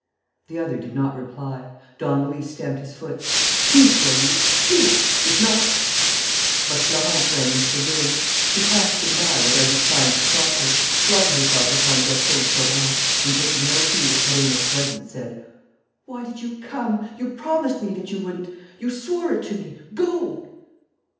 The other did not reply. Don Luis stamped his foot: "Speak, will you? Speak! If not " But Florence ran into the room. She passed him by without his trying to stop her, flung herself upon Gaston Sauverand, and, taking no heed of Perenna's presence, said: "Why did you come? You promised me that you wouldn't. You swore it to me. Go!"